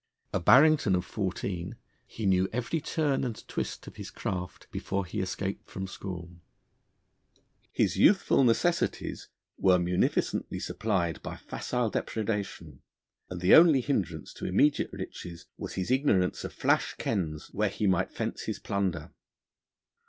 A Barrington of fourteen, he knew every turn and twist of his craft, before he escaped from school. His youthful necessities were munificently supplied by facile depredation, and the only hindrance to immediate riches was his ignorance of flash kens where he might fence his plunder.